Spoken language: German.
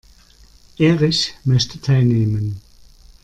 Erich möchte teilnehmen.